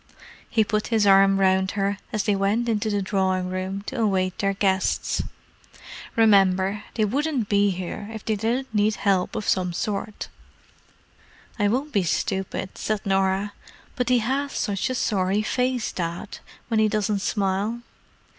He put his arm round her as they went into the drawing room to await their guests. "Remember, they wouldn't be here if they didn't need help of some sort." "I won't be stupid," said Norah. "But he has such a sorry face, Dad, when he doesn't smile."